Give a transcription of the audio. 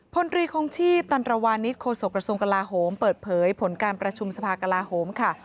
พลตรีคงชีพตันตรวานิสโฆษกระทรวงกลาโหมเปิดเผยผลการประชุมสภากลาโหมค่ะ